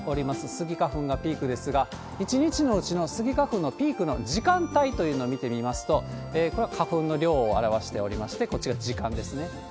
スギ花粉がピークですが、一日のうちのスギ花粉のピークの時間帯というのを見てみますと、これは花粉の量を表しておりまして、こちら、時間ですね。